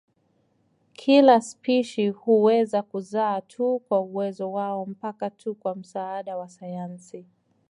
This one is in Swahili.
Kila spishi huweza kuzaa tu kwa uwezo wao mpaka tu kwa msaada wa sayansi.